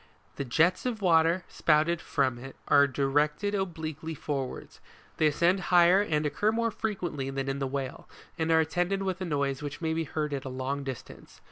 The jets of water spouted from it, are directed obliquely forwards, they ascend higher and occur more frequently than in the whale, and are attended with a noise which may be heard at a long distance.